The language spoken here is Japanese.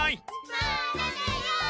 ・まあだだよ！